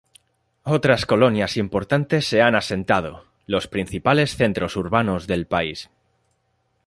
Otras colonias importantes se han asentado los principales centros urbanos del país.